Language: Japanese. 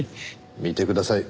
見てください